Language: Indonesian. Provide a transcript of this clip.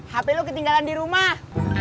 hp lo ketinggalan di rumah